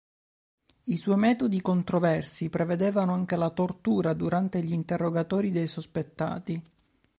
I suoi metodi controversi prevedevano anche la tortura durante gli interrogatori dei sospettati.